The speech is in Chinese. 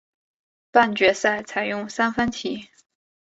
半决赛采用三番棋。